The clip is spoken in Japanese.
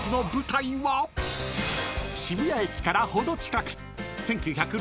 ［渋谷駅からほど近く］